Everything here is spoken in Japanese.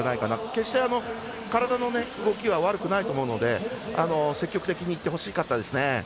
決して、体の動きは悪くないと思うので積極的にいってほしかったですね。